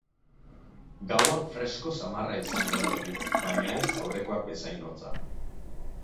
Gaua fresko samarra izango da berriro, baina ez aurrekoak bezain hotza.